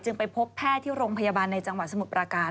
ไปพบแพทย์ที่โรงพยาบาลในจังหวัดสมุทรประการ